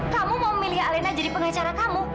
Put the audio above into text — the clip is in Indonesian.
kamu mau milih alena jadi pengacara kamu